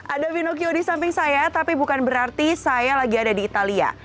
ada pinocchio di samping saya tapi bukan berarti saya lagi ada di italia